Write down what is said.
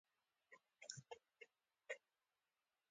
د عضوي کرنې لپاره د بازار موندنې ستراتیژي جوړه شي.